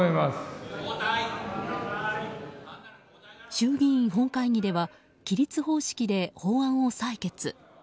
衆議院本会議では起立方式で法案を採決。